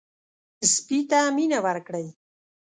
سپي ته مینه ورکړئ.